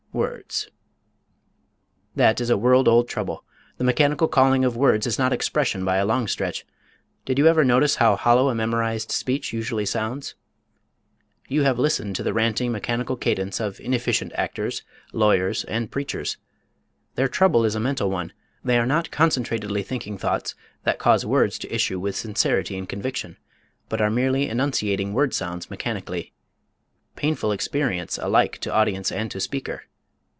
Words." That is a world old trouble. The mechanical calling of words is not expression, by a long stretch. Did you ever notice how hollow a memorized speech usually sounds? You have listened to the ranting, mechanical cadence of inefficient actors, lawyers and preachers. Their trouble is a mental one they are not concentratedly thinking thoughts that cause words to issue with sincerity and conviction, but are merely enunciating word sounds mechanically. Painful experience alike to audience and to speaker!